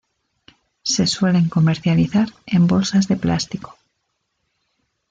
Se suelen comercializar en bolsas de plástico.